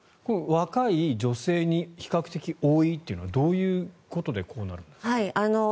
若い女性に比較的多いというのはどういうことでこうなるんですか。